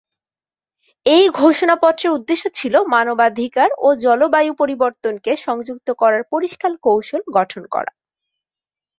এই ঘোষণাপত্রের উদ্দেশ্য ছিল মানবাধিকার ও জলবায়ু পরিবর্তনকে সংযুক্ত করার পরিষ্কার কৌশল গঠন করা।